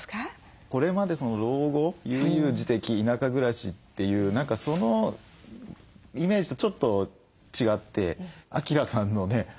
これまで老後悠々自適田舎暮らしっていう何かそのイメージとちょっと違って明さんのね